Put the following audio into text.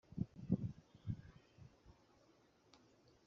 nta wutambaye urushundura,